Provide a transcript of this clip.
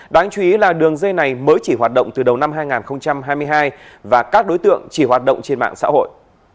đáng chú ý là đường dây này mới chỉ hoạt động từ đầu năm hai nghìn hai mươi hai và các đối tượng chỉ hoạt động trên mạng xã hội